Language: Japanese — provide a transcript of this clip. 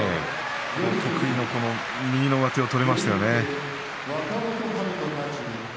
得意の右の上手が取れましたね。